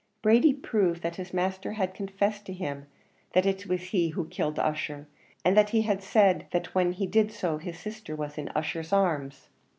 Brady proved that his master had confessed to him that it was he who had killed Ussher, and that he had said that when he did so his sister was in Ussher's arms.